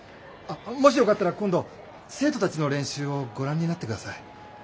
もしよかったら今度生徒たちの練習をご覧になって下さい。